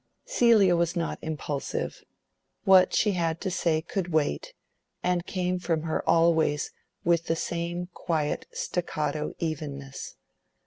Celia was not impulsive: what she had to say could wait, and came from her always with the same quiet staccato evenness.